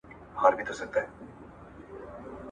که تنور ګرم وي نو ډوډۍ نه سړیږي.